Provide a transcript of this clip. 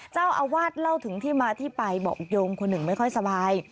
เจ้าอาวาสเล่าถึงที่มาที่ไปบอกโยมคนหนึ่งไม่ค่อยสบาย